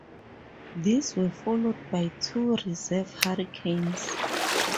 These were followed by two reserve Hurricanes.